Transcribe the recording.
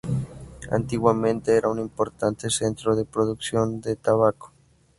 Antiguamente, era un importante centro de producción de tabaco.